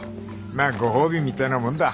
まあご褒美みたいなもんだ。